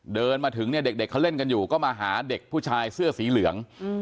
เดินมาถึงเนี่ยเด็กเขาเล่นกันอยู่ก็มาหาเด็กผู้ชายเสื้อสีเหลือง